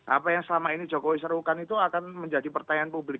apa yang selama ini jokowi serukan itu akan menjadi pertanyaan publik